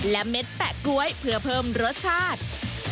และเม็ดแปะก๊วยเพื่อเพิ่มรสชาติ